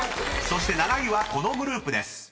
［そして７位はこのグループです］